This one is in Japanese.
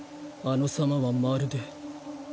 あの様はまるで。